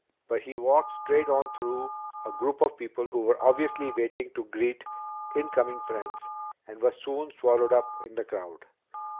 But he walked straight on through a group of people who were obviously waiting to greet incoming friends and was soon swallowed up in the crowd.